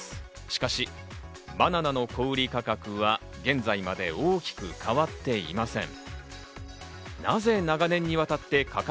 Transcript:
しかし、バナナの小売価格は現在まで大きく変わっていません。